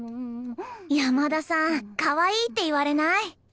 山田さんかわいいって言われない？